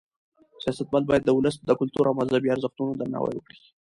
سیاستوال باید د ولس د کلتور او مذهبي ارزښتونو درناوی وکړي.